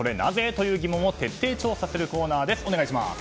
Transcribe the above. という疑問を徹底調査するコーナーです。